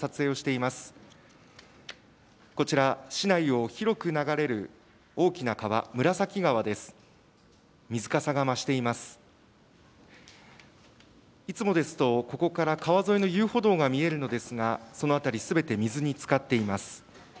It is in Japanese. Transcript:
いつもですとここから川沿いの遊歩道が見えるのですが、その辺り、すべて水につかっています。